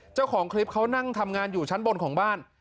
เจ้าของคลิปเขานั่งทำงานอยู่ชั้นบนของบ้าน